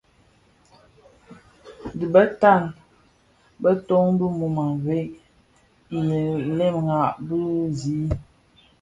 Dhi bëtan beton bi mum a veg i læham bë zi.